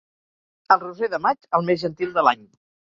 El roser de maig, el més gentil de l'any.